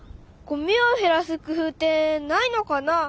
ごみをへらす工夫ってないのかな？